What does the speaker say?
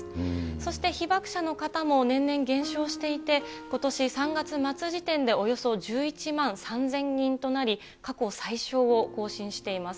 そして被爆者の方も年々減少していて、ことし３月末時点でおよそ１１万３０００人となり、過去最少を更新しています。